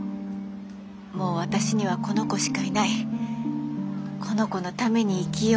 もう私にはこの子しかいないこの子のために生きようなんて。